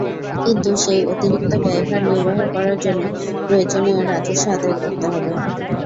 কিন্তু সেই অতিরিক্ত ব্যয়ভার নির্বাহ করার জন্য প্রয়োজনীয় রাজস্ব আদায় করতে হবে।